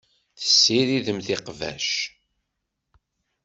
Tessiridemt iqbac.